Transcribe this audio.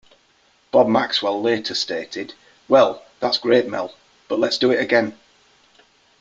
Bob Maxwell later stated, Well, that's great, Mel, but let's do it again.